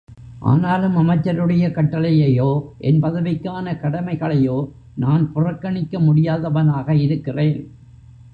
ஆனாலும் அமைச்சருடைய கட்டளையையோ என் பதவிக்கான கடமைகளையோ நான் புறக்கணிக்க முடியாதவனாக இருக்கிறேன்.